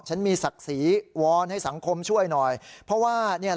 ฉันมีศักดิ์ศรีวอนให้สังคมช่วยหน่อยเพราะว่าเนี่ย